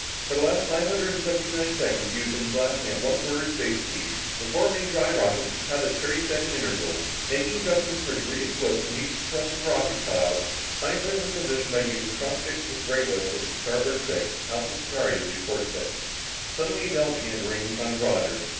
For the last five hundred and seventy nine seconds you have been blasting at one quarter space speed. The four main drive rockets were cut out at thirty second intervals. Making adjustment for degree of slip on each successive rocket cutout, find present position by using cross fix with Regulus as your starboard fix, Alpha Centauri as your port fix." Suddenly a bell began to ring in front of Roger.